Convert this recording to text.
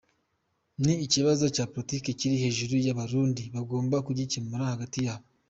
Ati “Ni ikibazo cya politiki kiri hejuru y’abarundi, bagomba kugikemura hagati yabo.